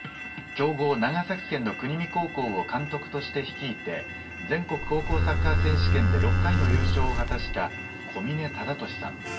強豪、長崎県の国見高校を監督として率いて全国高校サッカー選手権で６回の優勝を果たした小嶺忠敏さん。